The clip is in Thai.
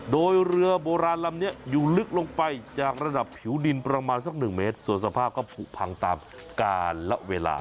โดยเรือโบราณลำนี้อยู่ลึกลงไปจากระดับผิวดินประมาณสักหนึ่งเมตรส่วนสภาพก็ผูกพังตามการละเวลา